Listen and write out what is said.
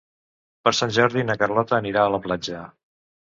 Per Sant Jordi na Carlota anirà a la platja.